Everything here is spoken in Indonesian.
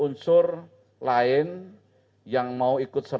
untuk membangun keuntungan